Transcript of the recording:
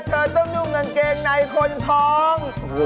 เธอต้องนุ่งกางเกงในคนท้อง